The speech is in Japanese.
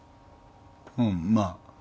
うんまぁ。